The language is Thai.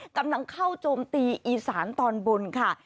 กำลังเข้าโจมตีอีสานตอนบนค่ะ